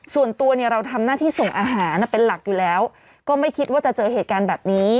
ส่วนตัวเนี่ยเราทำหน้าที่ส่งอาหารเป็นหลักอยู่แล้วก็ไม่คิดว่าจะเจอเหตุการณ์แบบนี้